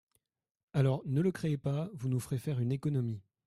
Alors, ne le créez pas : vous nous ferez faire une économie.